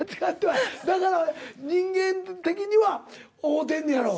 だから人間的には合うてんねやろ。